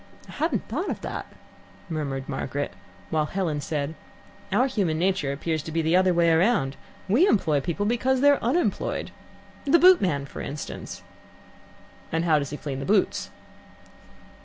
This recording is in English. "I hadn't thought of that," murmured Margaret, while Helen said, "Our human nature appears to be the other way round. We employ people because they're unemployed. The boot man, for instance." "And how does he clean the boots?"